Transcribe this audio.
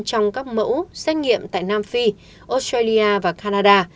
trong các mẫu xét nghiệm tại nam phi australia và canada